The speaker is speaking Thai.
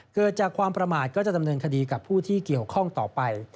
เกิดจากความประมาทก็จะดำเนินคดีกับผู้ที่เกี่ยวข้องต่อไป